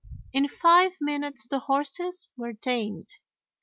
In five minutes the horses were tamed.